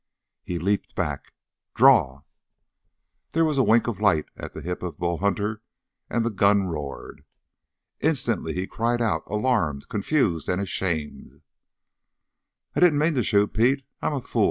He leaped back. "Draw!" There was a wink of light at the hip of Bull Hunter, and the gun roared. Instantly he cried out, alarmed, confused, ashamed. "I didn't mean to shoot, Pete. I'm a fool!